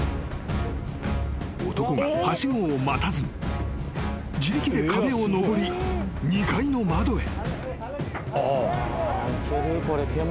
［男がはしごを待たずに自力で壁を登り２階の窓へ］